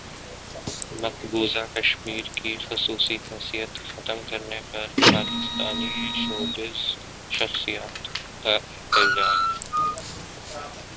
مقبوضہ کشمیر کی خصوصی حیثیت ختم کرنے پر پاکستانی شوبز شخصیات کا احتجاج